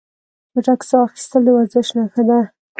چټک ساه اخیستل د ورزش نښه ده.